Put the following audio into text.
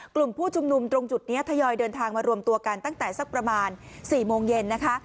กลุ่มผู้ชุมนุมตรงจุดนี้ทยอยเดินทางมารวมตัวกันตั้งแต่สักประมาณ๔โมงเย็นนะคะ